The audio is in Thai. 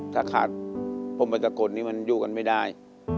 ถ้าขาดพรมไปตะกดนี่มันอยู่กันไม่ได้